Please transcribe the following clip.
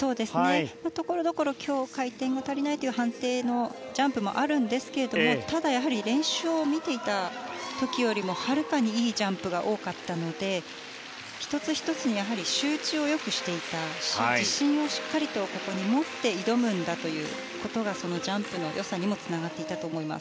ところどころ回転が足りないという判定のジャンプもあるんですけどただ練習を見ていた時よりもはるかにいいジャンプが多かったので１つ１つによく集中していたし自信をしっかり持って挑むんだということがジャンプの良さにもつながっていたと思います。